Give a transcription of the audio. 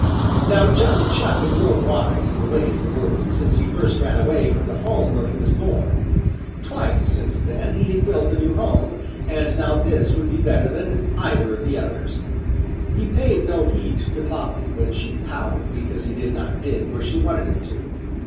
Now Johnny Chuck had grown wise in the ways of the world since he first ran away from the home where he was born. Twice since then he had built a new home, and now this would be better than either of the others. He paid no heed to Polly, when she pouted because he did not dig where she wanted him to.